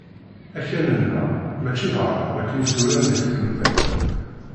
Akal-nneɣ mačči d aɛrab akken i t-uran deg tmendawt.